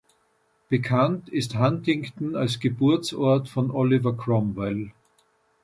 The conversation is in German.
Bekannt ist Huntingdon als Geburtsort von Oliver Cromwell.